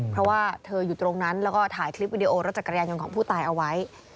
เพราะว่าเธออยู่ตรงนั้นแล้วก็ถ่ายคลิปวิดีโอรถจักรยานยนต์ของผู้ตายเอาไว้